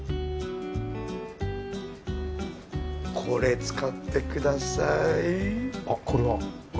これ使ってください。